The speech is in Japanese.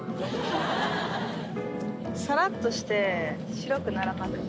さらっとして白くならなくて。